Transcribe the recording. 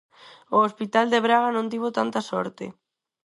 O hospital de Braga non tivo tanta sorte.